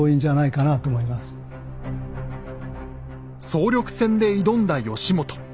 総力戦で挑んだ義元。